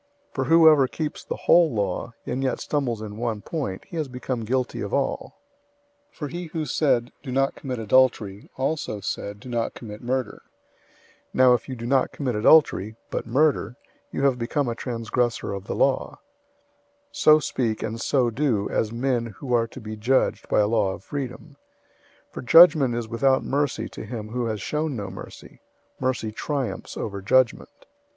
002:010 For whoever keeps the whole law, and yet stumbles in one point, he has become guilty of all. 002:011 For he who said, "Do not commit adultery,"{Exodus 20:14; Deuteronomy 5:18} also said, "Do not commit murder."{Exodus 10:13; Deuteronomy 5:17} Now if you do not commit adultery, but murder, you have become a transgressor of the law. 002:012 So speak, and so do, as men who are to be judged by a law of freedom. 002:013 For judgment is without mercy to him who has shown no mercy. Mercy triumphs over judgment.